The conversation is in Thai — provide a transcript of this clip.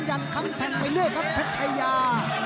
ยันคำแทงไปเรื่อยครับเพชรชายา